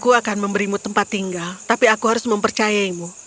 aku akan memberimu tempat tinggal tapi aku harus mempercayaimu